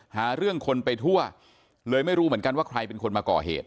หาเรื่องคนไปทั่วเลยไม่รู้เหมือนกันว่าใครเป็นคนมาก่อเหตุ